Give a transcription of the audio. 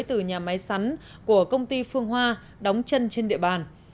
từ nhà máy sắn của công ty phương hoa đóng chân trên địa bàn